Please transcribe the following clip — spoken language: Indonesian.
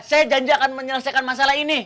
saya janji akan menyelesaikan masalah ini